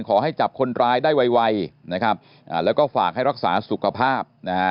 ขอให้จับคนร้ายได้ไวนะครับแล้วก็ฝากให้รักษาสุขภาพนะฮะ